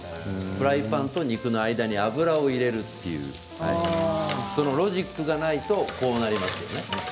フライパンと肉の間に油を入れるというそのロジックがないとこうなりますよね。